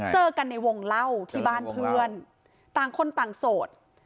เจอกันในวงเล่าที่บ้านเพื่อนต่างคนต่างโสด